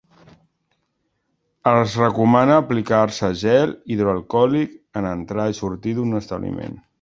Es recomana aplicar-se gel hidroalcohòlic en entrar i sortir d'un establiment.